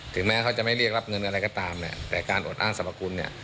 ถึงแม้เขาจะไม่เรียกรับเงินอะไรก็ตามเนี่ยแต่การอดอ้างสรรพคุณเนี่ย